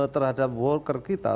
terhadap worker kita